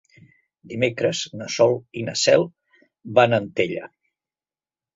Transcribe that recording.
Dimecres na Sol i na Cel van a Antella.